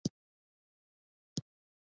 او تلاشي به وکړي.